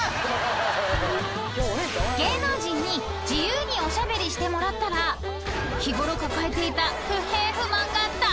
［芸能人に自由におしゃべりしてもらったら日ごろ抱えていた］